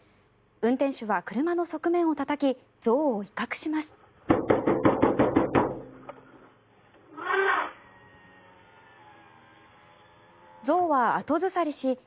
運転手は車の側面をたたき象を威嚇します。